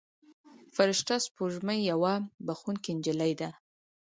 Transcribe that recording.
فرشته سپوږمۍ یوه بښونکې نجلۍ ده.